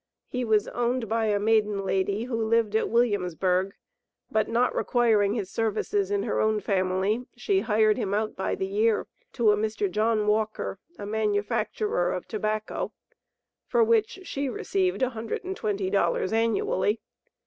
He was owned by a maiden lady, who lived at Williamsburg, but not requiring his services in her own family, she hired him out by the year to a Mr. John Walker, a manufacturer of tobacco, for which she received $120 annually.